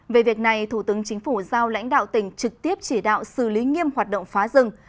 về việc này thủ tướng chính phủ giao lãnh đạo tỉnh trực tiếp chỉ đạo xử lý nghiêm hoạt động phá rừng